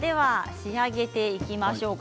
仕上げていきましょうか。